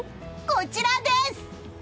こちらです！